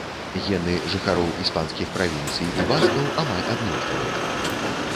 Гены жыхароў іспанскіх правінцый і баскаў амаль аднолькавыя.